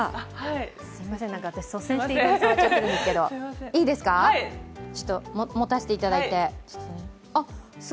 すみません、私、率先していろいろ触っちゃっているんですけど持たせていただいて。